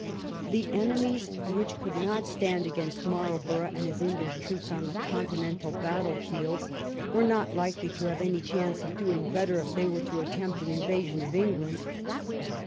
The armies which could not stand against Marlborough and his English troops on the continental battle fields were not likelj to have any chance of doing better if they were to attempt an invasion of England.